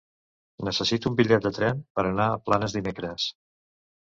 Necessito un bitllet de tren per anar a Planes dimecres.